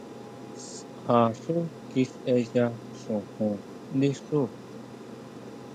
Sʼá xu kisʼeya xojón ndí xuú.